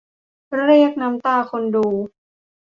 เรียกน้ำตาคนดู